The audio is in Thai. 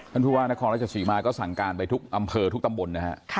ท่านผู้ว่านครรภาคระเศษฐรีมายก็สั่งการไปอำเภอทุกตำบลนะคะ